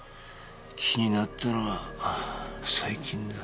気になったのは最近だ。